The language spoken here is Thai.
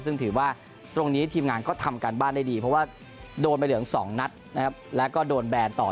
ซึ่งถือว่าตรงนี้ทีมงานก็ทำการบ้านได้ดีเพราะว่าโดนใบเหลือง๒นัดนะครับแล้วก็โดนแบนต่อ